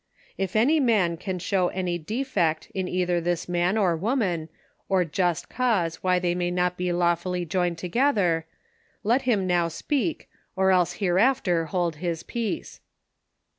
" If any man can show any defect in either this man or woman, or just cause why they may not la'wfully be joined together, let him now speak, or else hereafter hold his peace.